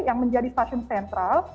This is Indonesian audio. yang menjadi stasiun sentral